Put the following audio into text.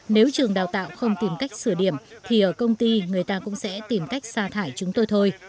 nếu trường đào tạo không tìm cách sửa điểm thì ở công ty người ta cũng sẽ tìm cách xa thải chúng tôi thôi